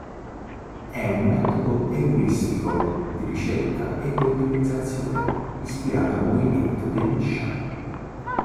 È un metodo euristico di ricerca ed ottimizzazione, ispirato al movimento degli sciami.